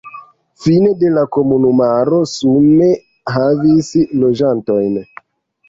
Fine de la komunumaro sume havis loĝantojn.